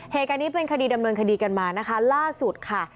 เหตุการณ์นี้เป็นคดีดำเนินคดีกันมานะคะล่าสุดค่ะ